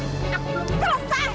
tidak belum selesai